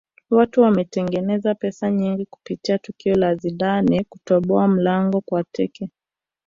watu wametengeneza pesa nyingi kupitia tukio la zidane kutoboa mlango kwa teke